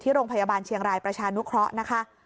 โรงพยาบาลเชียงรายประชานุเคราะห์นะคะ